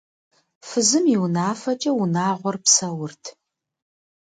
Фызым и унафэкӏэ унагъуэр псэурт.